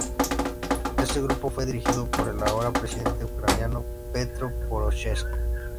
Este grupo fue dirigido por el ahora presidente ucraniano "Petro Poroshenko".